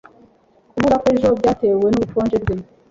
kubura kwe ejo byatewe n'ubukonje bwe